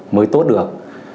mới tốt được